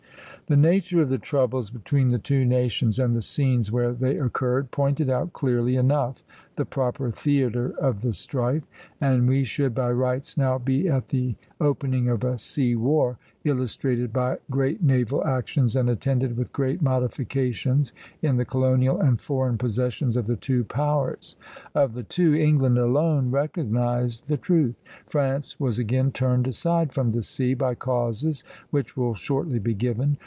The nature of the troubles between the two nations, and the scenes where they occurred, pointed out clearly enough the proper theatre of the strife, and we should by rights now be at the opening of a sea war, illustrated by great naval actions and attended with great modifications in the colonial and foreign possessions of the two powers. Of the two, England alone recognized the truth; France was again turned aside from the sea by causes which will shortly be given.